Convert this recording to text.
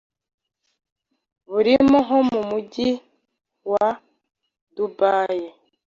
birimo nko mu mujyi wa Dubai